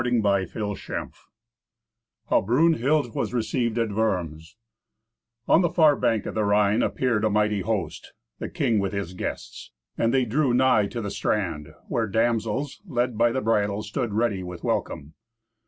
Tenth Adventure How Brunhild Was Received at Worms On the far bank of the Rhine appeared a mighty host—the king with his guests—and they drew nigh to the strand, where damsels, led by the bridle, stood ready with welcome.